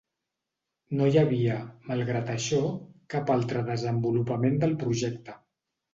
No hi havia, malgrat això, cap altre desenvolupament del projecte.